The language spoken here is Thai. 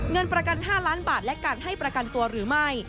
เงินประกัน๕ล้านบาทและการให้ประกันตัวหรือไม่